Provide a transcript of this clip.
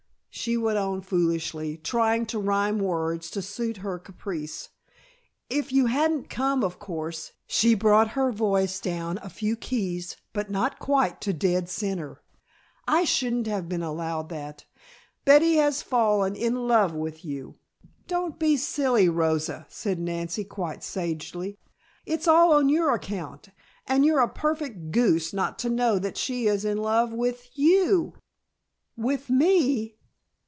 she went on foolishly, trying to rhyme words to suit her caprice. "If you hadn't come, of course," she brought her voice down a few keys but not quite to dead center, "I shouldn't have been allowed that. Betty has fallen in love with you " "Don't be silly, Rosa," said Nancy quite sagely. "It's all on your account and you're a perfect goose not to know that she is in love with you!" "With me!